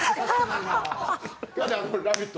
今日「ラヴィット！」